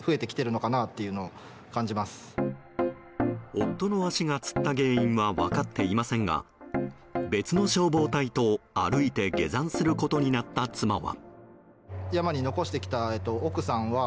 夫の足がつった原因は分かっていませんが別の消防隊と歩いて下山することになった妻は。